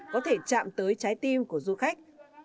có thể chạm tới trái tim của du khách